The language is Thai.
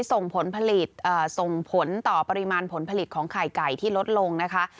ส่งผลผลิตส่งผลต่อปริมาณผลผลิตของไข่ไก่ที่ลดลงนะคะ